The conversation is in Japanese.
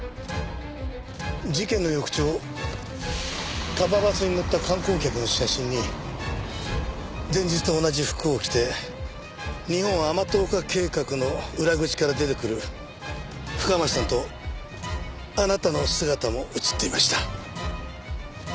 事件の翌朝ＫＡＢＡＢＵＳに乗った観光客の写真に前日と同じ服を着て日本甘党化計画の裏口から出てくる深町さんとあなたの姿も写っていました。